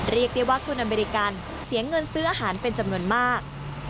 เรียกได้ว่าคนอเมริกันเสียเงินซื้ออาหารเป็นจำนวนมาก